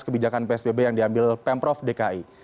kebijakan psbb yang diambil pemprov dki